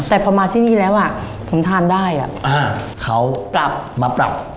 แต่พอมาที่นี่แล้วอ่ะผมทานได้อ่ะอ่าเขาปรับมาปรับ